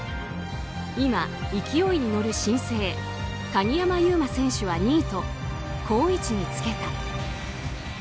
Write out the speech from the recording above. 今勢いに乗る新星鍵山優真選手は２位と好位置につけた。